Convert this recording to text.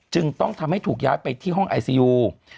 จึงต้องทำให้ถูกย้ายไปที่ห้องไอซียู